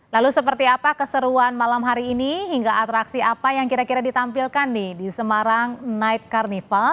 lalu seperti apa keseruan malam hari ini hingga atraksi apa yang kira kira ditampilkan nih di semarang night carnival